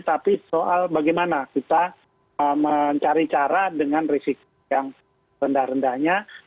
tapi soal bagaimana kita mencari cara dengan risiko yang rendah rendahnya